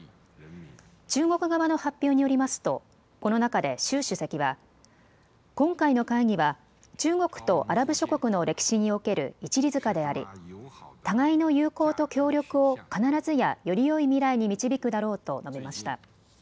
中国側の発表によりますとこの中で習主席は今回の会議は中国とアラブ諸国の歴史における一里塚であり互いの友好と協力を必ずやよりよい未来に導くだろうと述べました。